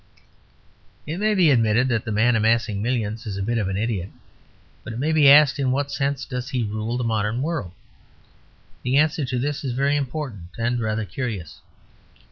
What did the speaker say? It may be admitted that the man amassing millions is a bit of an idiot; but it may be asked in what sense does he rule the modern world. The answer to this is very important and rather curious.